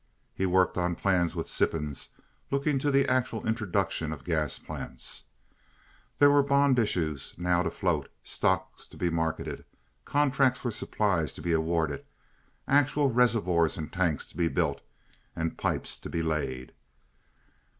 He worked on plans with Sippens looking to the actual introduction of gas plants. There were bond issues now to float, stock to be marketed, contracts for supplies to be awarded, actual reservoirs and tanks to be built, and pipes to be laid.